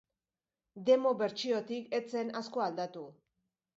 Demo bertsiotik ez zen asko aldatu.